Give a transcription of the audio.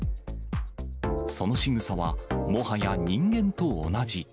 そのしぐさは、もはや人間と同じ。